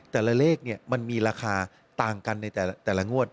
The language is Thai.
แต่ละเลขมันมีราคาต่างกันในแต่ละงวด